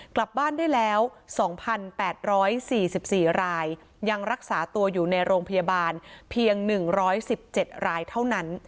กลับบ้านได้แล้ว๒๘๔๔รายยังรักษาตัวอยู่ในโรงพยาบาลเพียง๑๑๗รายเท่านั้น